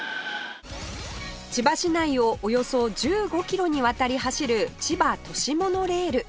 千葉市内をおよそ１５キロにわたり走る千葉都市モノレール